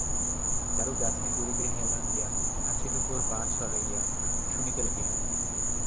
চারু গাছের গুঁড়িতে হেলান দিয়া ঘাসের উপর পা ছড়াইয়া শুনিতে লাগিল।